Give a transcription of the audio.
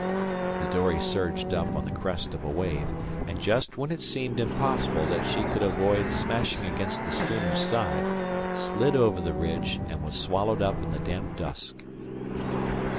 The dory surged up on the crest of a wave, and just when it seemed impossible that she could avoid smashing against the schooner's side, slid over the ridge, and was swallowed up in the damp dusk.